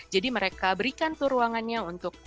jadi mereka berikan tuh ruangannya untuk